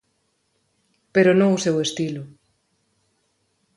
Pero non o seu estilo.